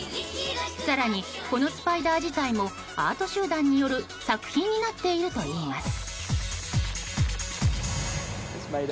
更に、このスパイダー自体もアート集団による作品になっているといいます。